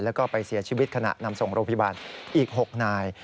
แล้วก็ไปเสียชีวิตขณะนำส่งโรงพยาบาลอีก๖นาย